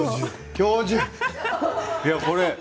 教授。